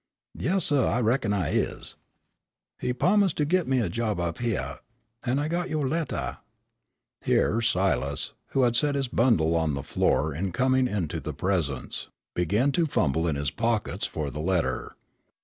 "Yes, suh, I reckon I is. He p'omised to git me a job up hyeah, an' I got yo' lettah " here Silas, who had set his bundle on the floor in coming into the Presence, began to fumble in his pockets for the letter.